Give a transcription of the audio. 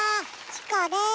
チコです。